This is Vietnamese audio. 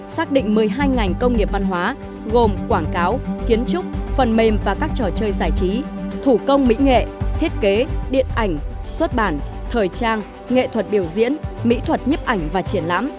xác định một mươi hai ngành công nghiệp văn hóa gồm quảng cáo kiến trúc phần mềm và các trò chơi giải trí thủ công mỹ nghệ thiết kế điện ảnh xuất bản thời trang nghệ thuật biểu diễn mỹ thuật nhấp ảnh và triển lãm